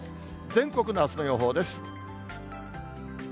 全国のあすの予報です。